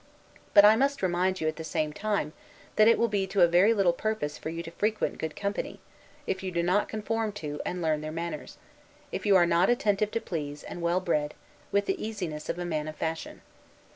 But I must remind you, at the same time, that it will be to a very little purpose for you to frequent good company, if you do not conform to, and learn their manners; if you are not attentive to please, and well bred, with the easiness of a man of fashion.